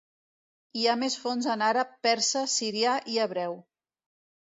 Hi ha més fonts en àrab, persa, sirià i hebreu.